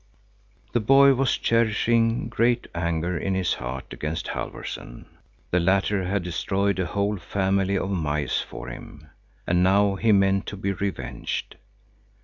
The boy was cherishing great anger in his heart against Halfvorson. The latter had destroyed a whole family of mice for him, and now he meant to be revenged.